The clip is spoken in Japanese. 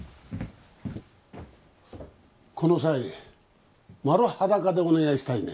この際マル裸でお願いしたいね。